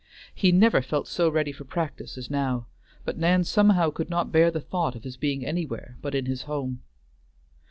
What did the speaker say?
He never felt so ready for practice as now, but Nan somehow could not bear the thought of his being anywhere but in his home.